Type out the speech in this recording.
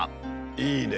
いいね！